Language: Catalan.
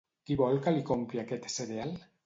Qui vol que li compri aquest cereal?